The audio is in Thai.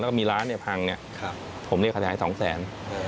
แล้วก็มีร้านเนี่ยพังเนี่ยผมเรียกขยายสองแสน